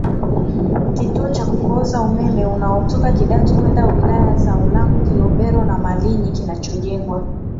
kituo Cha kupoza umeme unaotoka kidatu kwenda wilaya za ulanga kilombero na Malinyi kinachojengwa